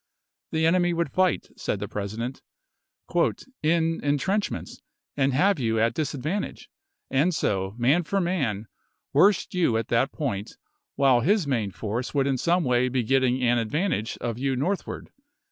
The enemy would fight, said the President, " in in trenchments, and have you at disadvantage, and so, man for man, worst you at that point, while his main force would in some way be getting an advantage of you northward.